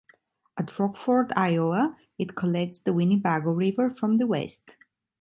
At Rockford, Iowa, it collects the Winnebago River from the west.